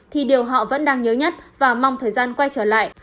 thì điều họ vẫn đang nhớ nhất và mong thời gian quay trở lại